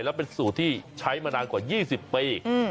แล้วเป็นสูตรที่ใช้มานานกว่า๒๐ปี